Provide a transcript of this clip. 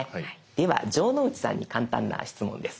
では城之内さんに簡単な質問です。